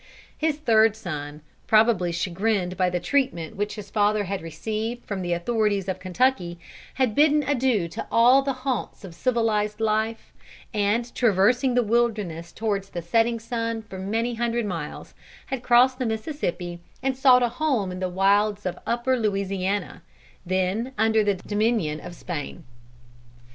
His third son, probably chagrined by the treatment which his father had received from the authorities of Kentucky, had bidden adieu to all the haunts of civilized life, and traversing the wilderness towards the setting sun for many hundred miles, had crossed the Mississippi and sought a home in the wilds of the upper Louisiana, then under the dominion of Spain.